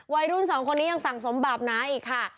วัยรุ่นสองคนนี้ยังสั่งสมบาปน้าอีกค่ะ